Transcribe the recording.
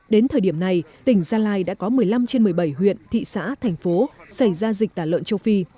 đến thời điểm này tỉnh gia lai đã có một mươi năm trên một mươi bảy huyện thị xã thành phố xảy ra dịch tả lợn châu phi